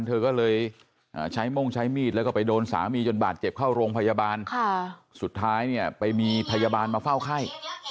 เธอก็เลยใช้ม่งใช้มีดแล้วก็ไปโดนสามีจนบาดเจ็บเข้าโรงพยาบาลสุดท้ายเนี่ยไปมีพยาบาลมาเฝ้าไข้